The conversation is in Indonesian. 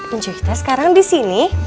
ucuy kita sekarang disini